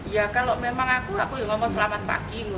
ya kalau memang aku aku ngomong selamat pagi